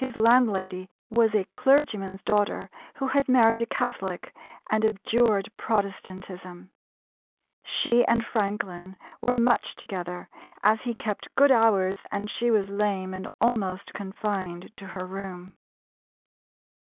His landlady was a clergyman's daughter, who had married a Catholic, and abjured Protestantism. She and Franklin were much together, as he kept good hours and she was lame and almost confined to her room.